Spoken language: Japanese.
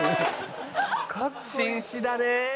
「紳士だねえ」